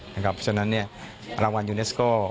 เพราะฉะนั้นรางวัลยูเนสโก้